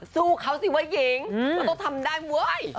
สู้เขาสิว่ะเงงเราต้องทำได้เว้ย